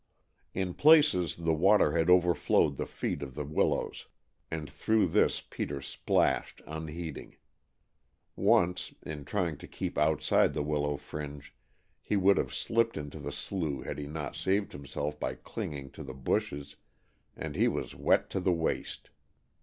In places the water had overflowed the feet of the willows, and through this Peter splashed unheeding. Once, in trying to keep outside the willow fringe, he would have slipped into the slough had he not saved himself by clinging to the bushes, and he was wet to the waist.